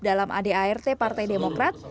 dalam adart partai demokrat